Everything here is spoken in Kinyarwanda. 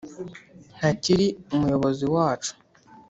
ntakiri umuyobozi wacu